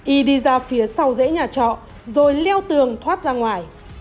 y đi ra phía sau dễ nhà trọ rồi leo tường thoát ra ngoài